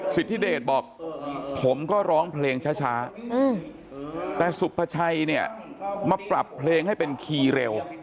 สิทธิเดชบอกผมก็ร้องเพลงช้าแต่สุภาชัยเนี่ยมาปรับเพลงให้เป็นคีย์เร็ว